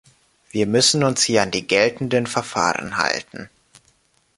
Wir müssen uns hier an die geltenden Verfahren halten.